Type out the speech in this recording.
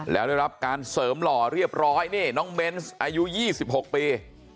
แล้วได้รับการเสริมหล่อเรียบร้อยนี่น้องเบนส์อายุ๒๖ปี